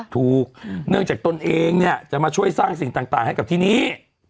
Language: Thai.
เนื่องจากตนเองเนี่ยจะมาช่วยสร้างสิ่งต่างให้กับที่นี่